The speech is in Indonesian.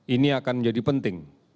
ini akan menjadi penting